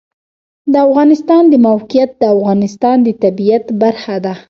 د افغانستان د موقعیت د افغانستان د طبیعت برخه ده.